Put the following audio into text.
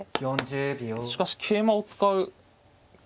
しかし桂馬を使う。